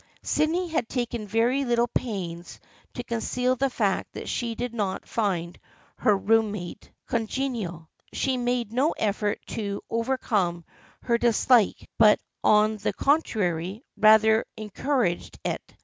Sydney had taken very little pains to conceal the fact that she did not find her room mate congenial. She made no effort to overcome her dislike but on the contrary rather encouraged it.